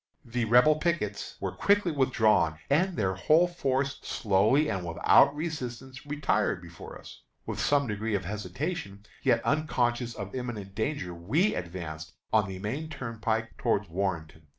The Rebel pickets were quickly withdrawn, and their whole force slowly and without resistance retired before us. With some degree of hesitation, yet unconscious of imminent danger, we advanced on the main turnpike toward Warrenton.